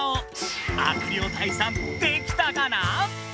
悪霊退散できたかな？